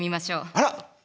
あら！